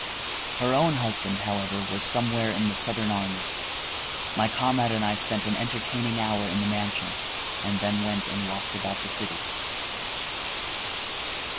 Her own husband, however, was somewhere in the Southern army. My comrade and I spent an entertaining hour in the mansion, and then went and walked about the city.